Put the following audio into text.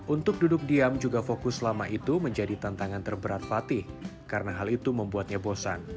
untuk duduk diam juga fokus selama itu menjadi tantangan terberat fatih karena hal itu membuatnya bosan